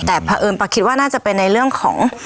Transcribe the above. แต่เพราะเอิญป้าคิดว่าน่าจะเป็นในเรื่องของ